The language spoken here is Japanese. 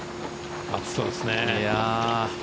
暑そうですね。